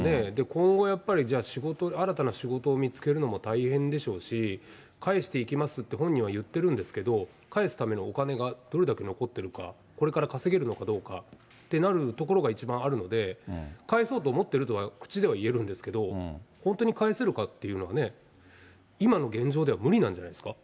今後やっぱりじゃあ、新たな仕事を見つけるのも大変でしょうし、返していきますって、本人は言ってるんですけど、返すためのお金がどれだけ残ってるか、これから稼げるのかどうかってなるところが一番あるので、返そうと思ってるとは口では言えるんですけど、本当に返せるかっていうのはね、今の現状では無理なんじゃないですか？